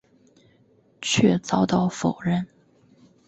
却遭到否认。